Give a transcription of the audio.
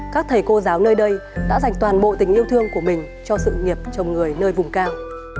các thầy cô giáo nơi đây đã dành toàn bộ tình yêu thương của mình cho sự nghiệp chồng người nơi vùng cao